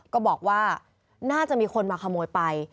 ก็บอกว่าน่าจะมีคนมาขโมยไป